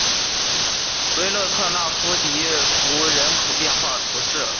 维勒纳夫迪拉图人口变化图示